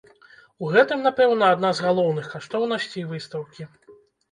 У гэтым напэўна адна з галоўных каштоўнасцей выстаўкі.